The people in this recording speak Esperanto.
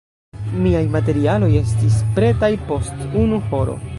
Miaj materialoj estis pretaj post unu horo.